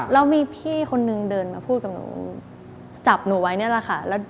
แล้วมีพี่คนนึงเดินมาพูดกับหนูจับหนูไว้นี่แหละค่ะ